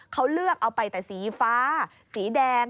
เขาเลือกเอาไปแต่สีฟ้าสีแดง